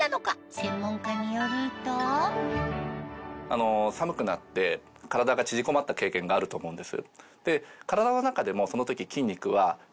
専門家によると寒くなって体が縮こまった経験があると思うんです。